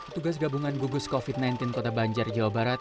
tugas gabungan gugus covid sembilan belas kota banjar jawa barat